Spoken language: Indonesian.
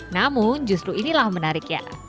namun justru inilah menarik ya